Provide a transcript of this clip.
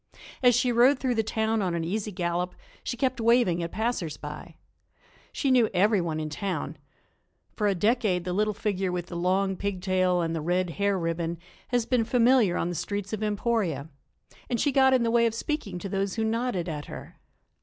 As she rode through the town on an easy gallop she kept waving at passers by. She knew everyone in town. For a decade the little figure with the long pig tail and the red hair ribbon has been familiar on the streets of Emporia, and she got in the way of speaking to those who nodded at her.